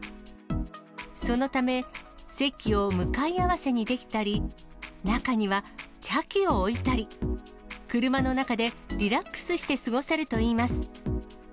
そのため、席を向かい合わせにできたり、中には茶器を置いたり、車の中でリラックスして過ごせるといいます。